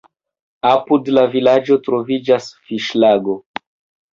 Apud la vilaĝo troviĝas fiŝlago.